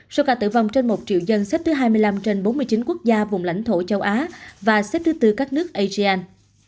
số ca tử vong trên một triệu dân xếp thứ hai mươi năm trên bốn mươi chín quốc gia vùng lãnh thổ châu á và xếp thứ tư các nước asean